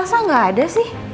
kok elasang gak ada sih